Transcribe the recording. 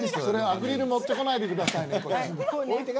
アクリル持ってこないでくださいね。